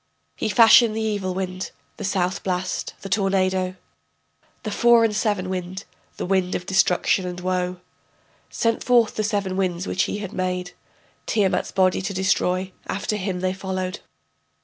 He fashioned the evil wind, the south blast, the tornado, The four and seven wind, the wind of destruction and woe, Sent forth the seven winds which he had made Tiamat's body to destroy, after him they followed.